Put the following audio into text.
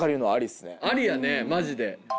ありやねマジで。